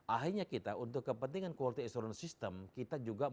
akhirnya kita untuk kepentingan kualitas lulusan mahasiswa ut kita harus memperbaiki